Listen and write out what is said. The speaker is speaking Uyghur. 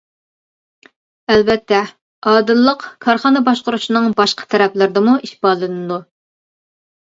ئەلۋەتتە ئادىللىق كارخانا باشقۇرۇشنىڭ باشقا تەرەپلىرىدىمۇ ئىپادىلىنىدۇ.